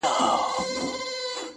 عمر تېر سو کفن کښ د خدای په کار سو!.